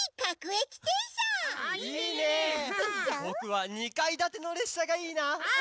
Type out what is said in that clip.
ぼくは２かいだてのれっしゃがいいな！